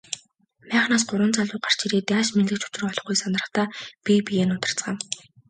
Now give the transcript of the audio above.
Майхнаас гурван залуу гарч ирээд яаж мэндлэх ч учраа олохгүй сандрахдаа бие биеэ нударцгаав.